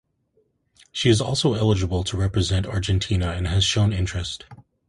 She is also eligible to represent Argentina and has shown interest.